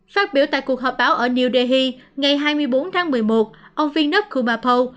phát biểu tại cuộc họp báo ở new delhi ngày hai mươi bốn tháng một mươi một ông phinhnuv gumapo